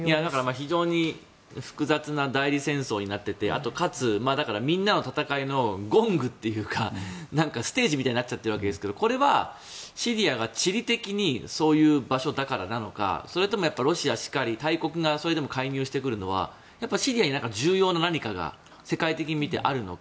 非常に複雑な代理戦争になっていてかつみんなの戦いのゴングというかステージみたいになっているわけですけどこれは、シリアが地理的にそういう場所だからなのかそれともロシアしかり大国が介入してくるのはそこに重要な何かが世界的に見て、あるのか。